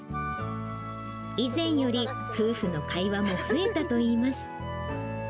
以前より夫婦の会話も増えたといいます。